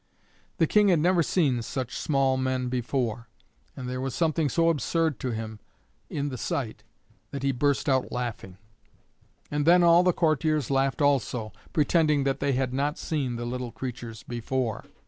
The King had never seen such small men before, and there was something so absurd to him in the sight, that he burst out laughing. And then all the courtiers laughed also, pretending that they had not seen the little creatures before.